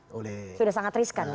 sudah sangat riskan